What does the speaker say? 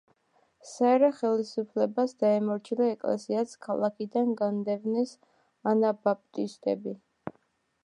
საერო ხელისუფლებას დაემორჩილა ეკლესიაც, ქალაქიდან განდევნეს ანაბაპტისტები.